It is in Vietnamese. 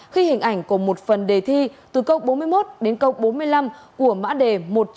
khi hình ảnh của một phần đề thi từ câu bốn mươi một đến câu bốn mươi năm của mã đề một trăm một mươi ba